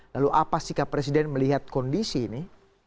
lalu apa sikap presiden melihat kondisi ini